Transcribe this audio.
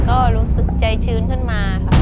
ก็รู้สึกใจชื้นขึ้นมาค่ะ